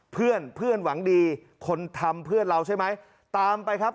เพื่อนเพื่อนหวังดีคนทำเพื่อนเราใช่ไหมตามไปครับ